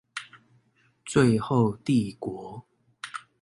最後帝國